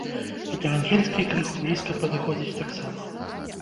І да ангельскай крыху блізка падыходзіць таксама.